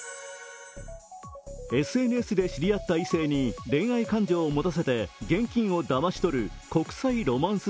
ＳＮＳで知り合った異性に恋愛感情を持たせて現金をだまし取る国際ロマンス